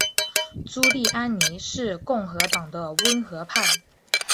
朱利安尼是共和党的温和派。